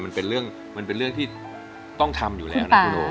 มันเป็นเรื่องที่ต้องทำอยู่แล้วนะคุณโอ๊ะ